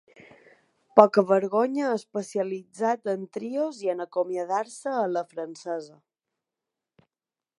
Poca-vergonya especialitzat en trios i en acomiadar-se a la francesa.